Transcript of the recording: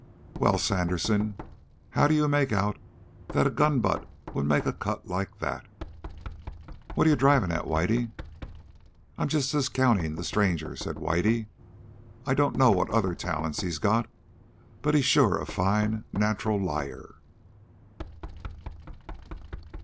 "Well, Sandersen, how d'you make out that a gun butt would make a cut like that?" "What are you driving at, Whitey?" "I'm just discounting the stranger," said Whitey. "I dunno what other talents he's got, but he's sure a fine nacheral liar."